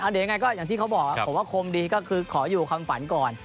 เดี๋ยวยังไงก็อย่างที่เขาบอกผมว่าคมดีก็คือขออยู่ความฝันก่อน